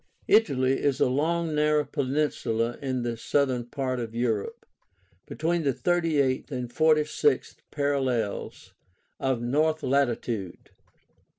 Italy is a long, narrow peninsula in the southern part of Europe, between the 38th and 46th parallels of north latitude.